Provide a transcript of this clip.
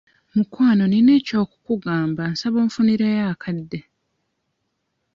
Mukwano nina eky'okukugamba nsaba onfunireyo akadde.